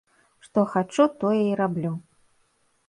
Што хачу тое і раблю.